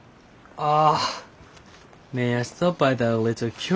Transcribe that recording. ああ。